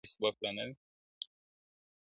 ته غواړې سره سکروټه دا ځل پر ځان و نه نیسم.